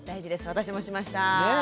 私もしました。